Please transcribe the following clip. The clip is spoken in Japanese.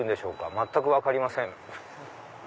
全く分かりません。